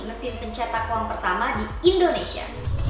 mesin pencetak uang pertama di indonesia